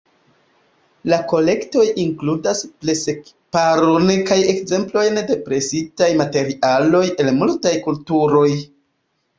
La kolektoj inkludas presekiparon kaj ekzemplojn de presitaj materialoj el multaj kulturoj.